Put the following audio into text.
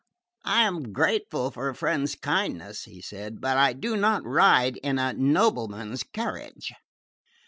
"I am grateful for a friend's kindness," he said, "but I do not ride in a nobleman's carriage."